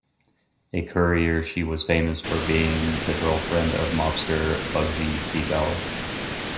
A courier, she was famous for being the girlfriend of mobster Bugsy Siegel.